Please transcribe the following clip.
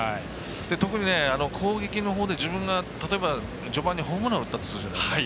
特に攻撃のほうで、自分が例えば序盤にホームラン打ったとするじゃないですか。